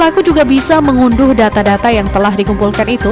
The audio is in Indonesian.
aku juga bisa mengunduh data data yang telah dikumpulkan itu